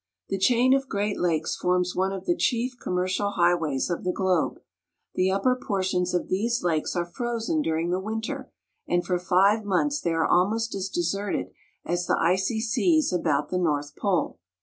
The chain of Great Lakes forms one of the chief com mercial highways of the globe. The upper portions of these lakes are frozen during the winter, and for five months they are almost as deserted as the icy seas about the north pole.